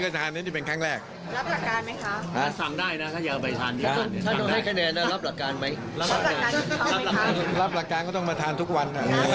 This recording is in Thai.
จะได้เป็นแรงจุงใจให้มาทานทุกวัน